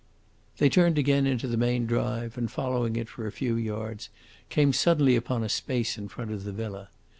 They turned again into the main drive, and, following it for a few yards, came suddenly upon a space in front of the villa.